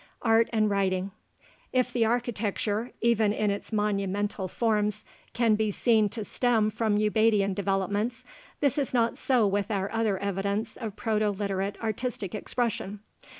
ART AND WRITING If the architecture, even in its monumental forms, can be seen to stem from Ubaidian developments, this is not so with our other evidence of Proto Literate artistic expression.